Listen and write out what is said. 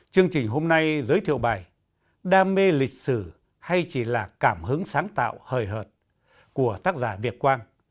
chương trình hôm nay giới thiệu bài đam mê lịch sử hay chỉ là cảm hứng sáng tạo hời hợt của tác giả việt quang